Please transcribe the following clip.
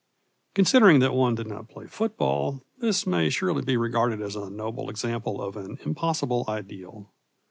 Considering that one did not play football, this may surely be regarded as a noble example of an impossible ideal.